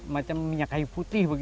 macam minyak kain putih